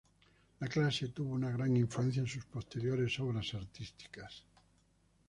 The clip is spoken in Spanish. La clase tuvo una gran influencia en sus posteriores obras artísticas.